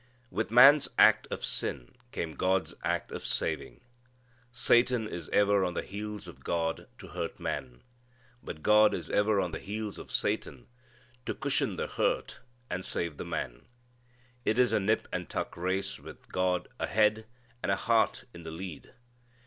With man's act of sin came God's act of saving. Satan is ever on the heels of God to hurt man. But God is ever on the heels of Satan to cushion the hurt and save the man. It is a nip and tuck race with God a head and a heart in the lead.